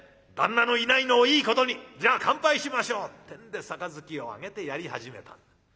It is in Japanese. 旦那のいないのをいいことにじゃあ乾杯しましょう」ってんで杯をあげてやり始めた。